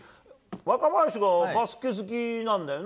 若林はバスケ好きなんだよな？